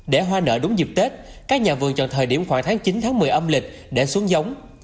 để hoa nở đúng dịp tết các nhà vườn chọn thời điểm khoảng tháng chín tháng một mươi âm lịch để xuống giống